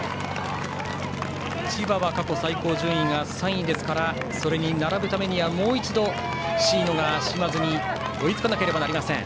千葉は過去最高順位が３位ですからそれに並ぶためにはもう一度、椎野が嶋津に追いつかなければなりません。